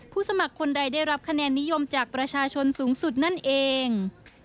สมัครคนใดได้รับคะแนนนิยมจากประชาชนสูงสุดนั่นเอง